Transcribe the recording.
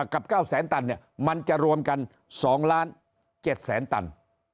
กับ๙แสนตันมันจะรวมกัน๒ล้าน๗แสนตัน